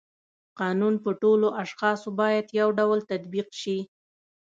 قانون په ټولو اشخاصو باید یو ډول تطبیق شي.